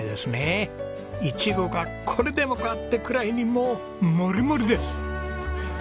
イチゴが「これでもか！」ってくらいにもうモリモリです。